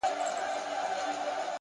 مهرباني د سختو زړونو یخ ماتوي.